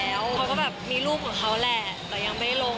เขาก็แบบมีรูปของเขาแหละแต่ยังไม่ได้ลง